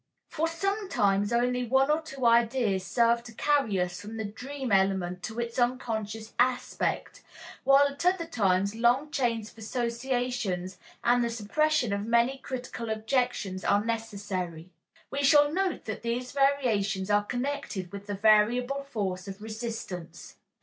For sometimes only one or two ideas serve to carry us from the dream element to its unconscious aspect, while at other times long chains of associations and the suppression of many critical objections are necessary. We shall note that these variations are connected with the variable force of resistance.